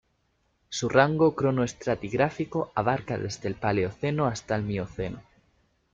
Su rango cronoestratigráfico abarca desde el Paleoceno hasta el Mioceno.